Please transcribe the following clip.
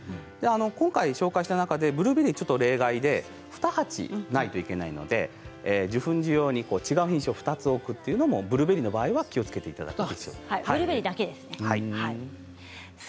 今回、紹介した中でブルーベリーは例外で２鉢ないといけないので受粉用に２つ鉢を置くということをブルーベリーを買われる場合は気をつけてください。